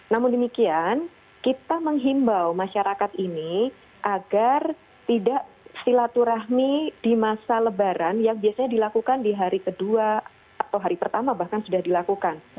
namun demikian kita menghimbau masyarakat ini agar tidak silaturahmi di masa lebaran yang biasanya dilakukan di hari kedua atau hari pertama bahkan sudah dilakukan